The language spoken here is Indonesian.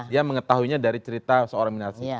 dia mengetahuinya dari cerita seorang minasi